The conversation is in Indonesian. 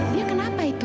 dia kenapa itu